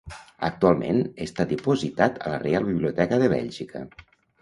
Actualment està dipositat a la Reial Biblioteca de Bèlgica.